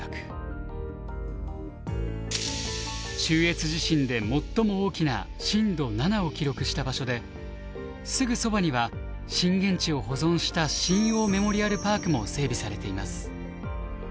中越地震で最も大きな震度７を記録した場所ですぐそばには震源地を保存した震央メモリアルパークも整備されています。